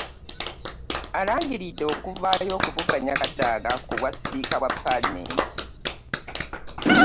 Alangiridde okuvaayo okuvuganya Kadaga ku bwa sipiika bwa paalamenti.